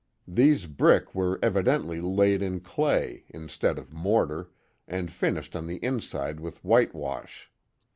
These brick were evidently laid in clay, instead of mortar, and finished on the inside with whitewash.